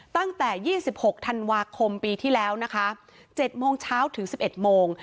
ตั้งแต่ยี่สิบหกธันวาคมปีที่แล้วนะคะเจ็ดโมงเช้าถึงสิบเอ็ดโมง